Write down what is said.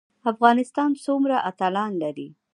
افغانستان څومره اتلان لري؟